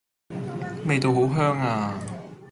味道好香呀